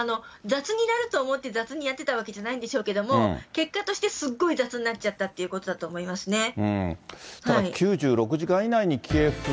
雑になると思って雑にやってたわけじゃないんでしょうけど、結果としてすっごい雑になっちゃったということだと思いますね。